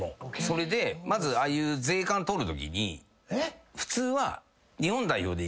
それでまずああいう税関通るときに普通は。